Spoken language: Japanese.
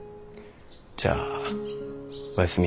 じゃあおやすみ。